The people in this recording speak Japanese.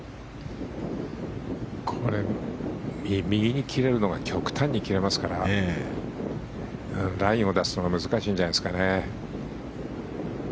これ、右に切れるのが極端に切れますからラインを出すのが難しいんじゃないですかね。